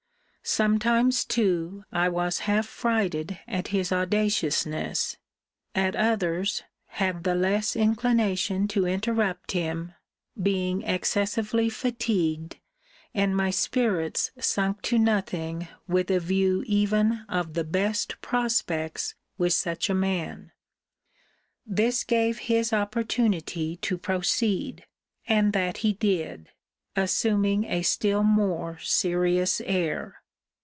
Sometimes, too, I was half frighted at his audaciousness: at others, had the less inclination to interrupt him, being excessively fatigued, and my spirits sunk to nothing, with a view even of the best prospects with such a man. This gave his opportunity to proceed: and that he did; assuming a still more serious air.